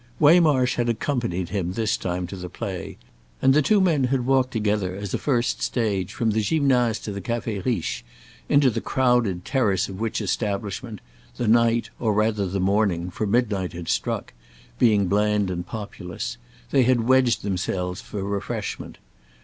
Waymarsh had accompanied him this time to the play, and the two men had walked together, as a first stage, from the Gymnase to the Café Riche, into the crowded "terrace" of which establishment—the night, or rather the morning, for midnight had struck, being bland and populous—they had wedged themselves for refreshment.